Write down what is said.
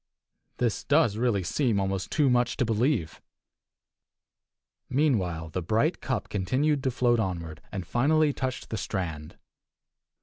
This does really seem almost too much to believe. Meanwhile the bright cup continued to float onward, and finally touched the strand.